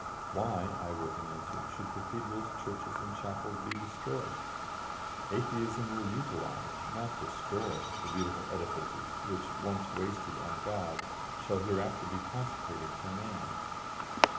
"Why," I wrote in answer, "should cathedrals, churches, and chapels be destroyed? Atheism will utilise, not destroy, the beautiful edifices which, once wasted on God, shall hereafter be consecrated for man.